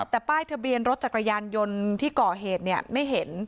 แต่ป้ายทะเบียนรถจักรยานยนต์ที่ก่อเหตุไม่เห็น